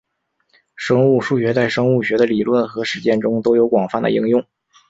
生物数学在生物学的理论和实践中都有广泛的应用。